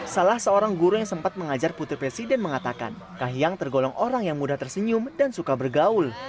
salah seorang guru yang sempat mengajar putri presiden mengatakan kahiyang tergolong orang yang mudah tersenyum dan suka bergaul